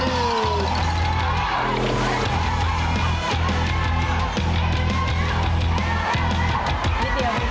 นิดเดียวข่อยวาง